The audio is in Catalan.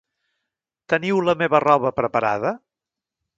Teniu la meva roba preparada?